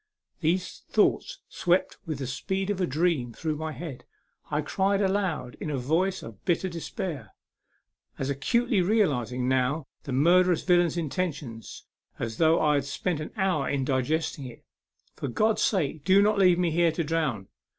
These thoughts swept with the speed of a dream through my head. I cried aloud in a voice of bitter despair as acutely realizing now the murderous villain's intention as though I had spent an hour in digesting it " For God's sake, do not leave me here to drown.